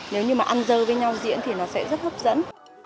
nếu như mà ăn dơ với nhau diễn thì nó sẽ rất hấp dẫn